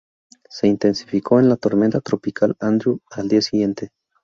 Se intensificó en la Tormenta Tropical Andrew al día siguiente.